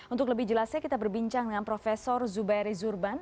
untuk lebih jelasnya kita berbincang dengan prof zubairi zurban